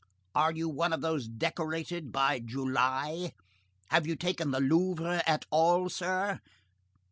Are you one of those decorated by July? Have you taken the Louvre at all, sir?